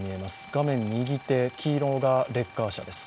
画面右手黄色がレッカー車です。